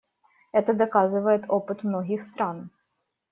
Это доказывает опыт многих стран.